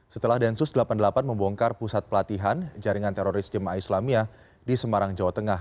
setelah densus delapan puluh delapan membongkar pusat pelatihan jaringan teroris jemaah islamiyah di semarang jawa tengah